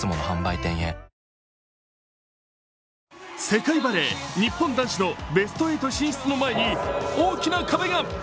世界バレー、日本男子のベスト８進出を前に大きな壁が。